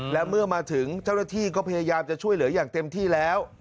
และเมื่อมาถึงเจ้าหน้าที่ก็พยายามจะช่วยเหลืออย่างเต็มที่แล้ว